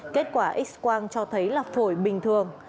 kết quả x quang cho thấy là phổi bình thường